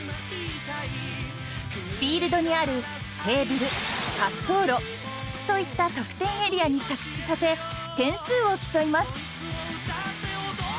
フィールドにあるといった得点エリアに着地させ点数を競います。